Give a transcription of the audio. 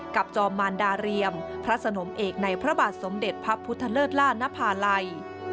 จอมมารดาเรียมพระสนมเอกในพระบาทสมเด็จพระพุทธเลิศล่านภาลัย